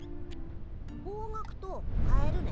「方角」と「変える」ね。